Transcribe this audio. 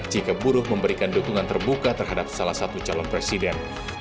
jika buruh memberikan dukungan terbuka terhadap salah satu calon presiden